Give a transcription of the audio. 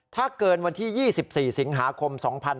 ถ้าเกินวันที่๒๔สิงหาคม๒๕๕๙